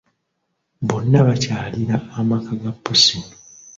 Bonna bakyalira amaka ga pussi.